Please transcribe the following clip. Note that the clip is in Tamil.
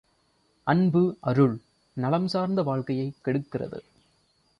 அன்பு, அருள் நலம் சார்ந்த வாழ்க்கையைக் கெடுக்கிறது.